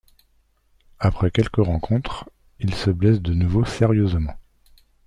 Après quelques rencontres, il se blesse de nouveau sérieusement.